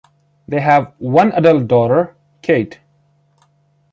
They have one adult daughter, Kate.